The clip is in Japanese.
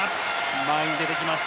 前に出てきました